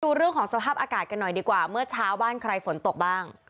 ดูเรื่องของสภาพอากาศกันหน่อยดีกว่าเมื่อเช้าบ้านใครฝนตกบ้าง